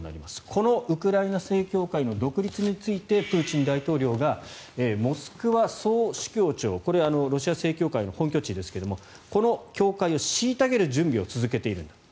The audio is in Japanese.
このウクライナ正教会の独立についてプーチン大統領がモスクワ総主教庁これ、ロシア正教会の本拠地ですけどもこの教会を虐げる準備を続けているんだと。